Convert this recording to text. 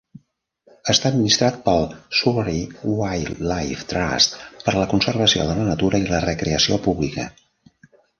Està administrat pel Surrey Wildlife Trust per a la conservació de la natura i la recreació pública.